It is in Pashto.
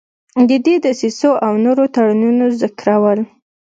د دې دسیسو او نورو تړونونو ذکرول.